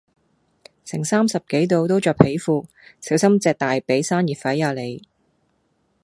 成三十幾度都著皮褲，小心隻大髀生熱痱呀你